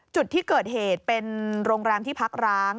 จุดที่เกิดเหตุเป็นโรงแรมที่พักร้าง